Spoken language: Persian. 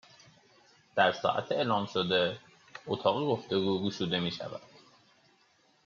در ساعت اعلام شده، اتاق گفتوگو گشوده میشود